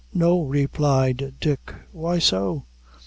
"No," replied Dick; "why so?"